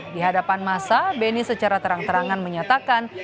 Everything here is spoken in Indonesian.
di hadapan masa beni secara terang terangan menyatakan